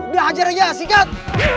udah hajar aja sikat